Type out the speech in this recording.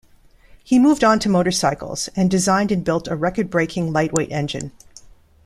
He moved on to motorcycles and designed and built a record breaking lightweight engine.